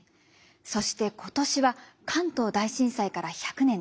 そして今年は関東大震災から１００年です。